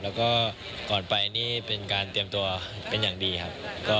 แล้วก็ก่อนไปนี่เป็นการเตรียมตัวเป็นอย่างดีครับ